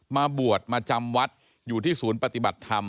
มาบวชมาจำวัดอยู่ที่ศูนย์ปฏิบัติธรรม